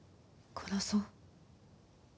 殺そう。